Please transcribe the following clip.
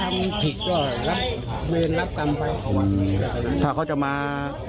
ไม่มีใจไม่ได้